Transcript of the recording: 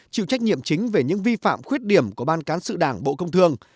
chịu trách nhiệm chính về những vi phạm khuyết điểm của ban cán sự đảng bộ công thương